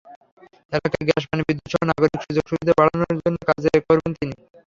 এলাকায় গ্যাস, পানি, বিদ্যুৎসহ নাগরিক সুযোগ সুবিধা বাড়ানোর জন্য কাজ করবেন তিনি।